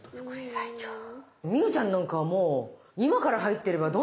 望結ちゃんなんかはもう今から入ってればどんどん複利が。